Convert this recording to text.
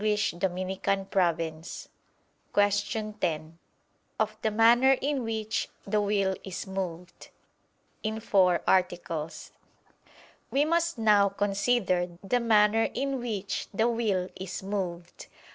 ________________________ QUESTION 10 OF THE MANNER IN WHICH THE WILL IS MOVED (In Four Articles) We must now consider the manner in which the will is moved.